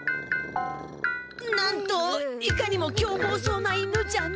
なんといかにもきょうぼうそうな犬じゃな。